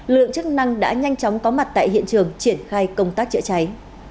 lượng chức năng đã nhanh chóng có mặt tại hiện trường triển khai công tác chữa cháy